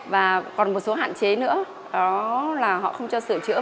và còn một số hạn chế nữa đó là họ không cho sửa chữa